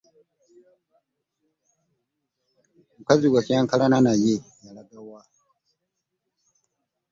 Omukazi gwe wakyankalana naye yalaga wa.